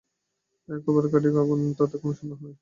এ একেবার খাঁটি আগুন তাতে কোনো সন্দেহ নেই।